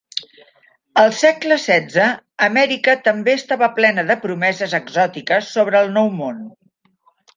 Al segle XVI, Amèrica també estava plena de promeses exòtiques sobre "el nou món".